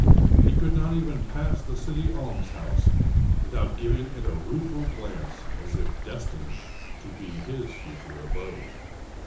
He could not even pass the city almshouse without giving it a rueful glance, as if destined to be his future abode.